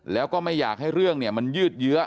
แล้วก็ไม่อยากให้เรื่องเนี่ยมันยืดเยื้อ